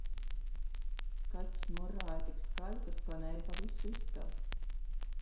Kaķis murrāja tik skaļi, ka skanēja pa visu istabu